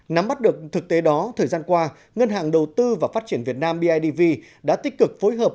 nắm bắt được thực tế đó thời gian qua ngân hàng đầu tư và phát triển việt nam bidv đã tích cực phối hợp